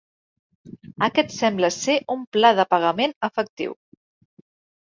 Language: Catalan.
Aquest sembla ser un pla de pagament efectiu.